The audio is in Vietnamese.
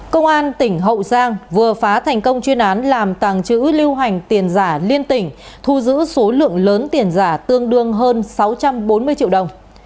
công an tỉnh hậu giang vừa phá thành công chuyên án làm tàng trữ lưu hành tiền giả liên tỉnh thu giữ số lượng lớn tiền giả tương đương hơn sáu trăm bốn mươi triệu đồng